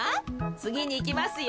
つぎにいきますよ。